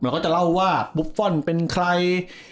ก็จะเร่าว่าบุฟฟอนด์เป็นใคร